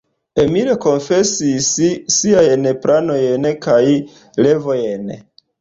Emil konfesis siajn planojn kaj revojn.